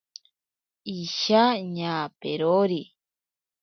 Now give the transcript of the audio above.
Isha ñaperori.